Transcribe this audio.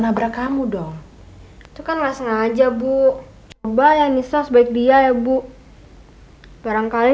nabrak kamu dong itu kan nggak sengaja bu bayangin sesuai dia ya bu barangkali